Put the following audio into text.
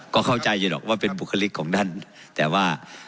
ก็เข้าใจอยู่หรอกว่าเป็นบุคลิกของท่านแต่ว่า